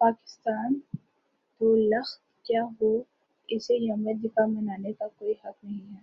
پاکستان دو لخت کیا ہو اسے یوم دفاع منانے کا کوئی حق نہیں ہے